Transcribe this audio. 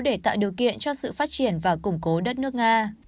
để tạo điều kiện cho sự phát triển và củng cố đất nước nga